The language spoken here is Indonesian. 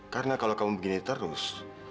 karena kalau kamu begini terus